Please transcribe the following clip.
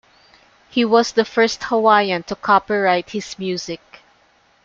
He was the first Hawaiian to copyright his music.